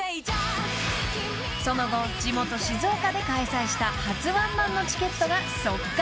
［その後地元静岡で開催した初ワンマンのチケットが即完］